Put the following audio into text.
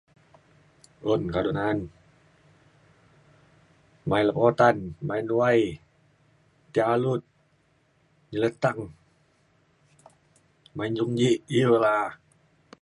un kado na’an main utan main wai ti alut letang main jongji iu la’a